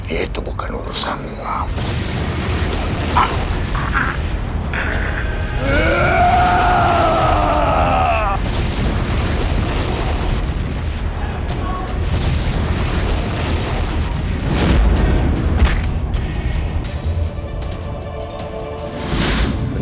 itu bukan urusanmu